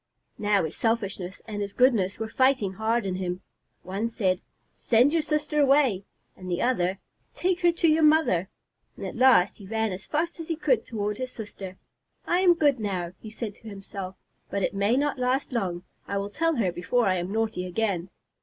Now his selfishness and his goodness were fighting hard in him. One said, "Send your sister away," and the other, "Take her to your mother." At last he ran as fast as he could toward his sister. "I am good now," he said to himself, "but it may not last long. I will tell her before I am naughty again."